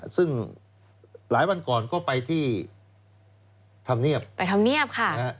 ซึ่งหลายวันก่อนก็ไปที่ธรรมเนียบไปทำเนียบค่ะ